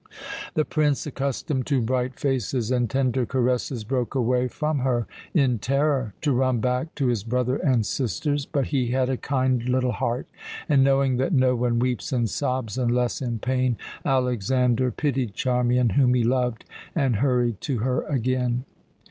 The prince, accustomed to bright faces and tender caresses, broke away from her in terror to run back to his brother and sisters. But he had a kind little heart, and, knowing that no one weeps and sobs unless in pain, Alexander pitied Charmian, whom he loved, and hurried to her again.